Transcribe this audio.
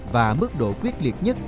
và mức độ quyết liệt nhất